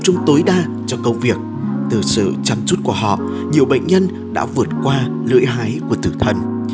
chung tối đa cho công việc từ sự chăm chút của họ nhiều bệnh nhân đã vượt qua lưỡi hái của tử thần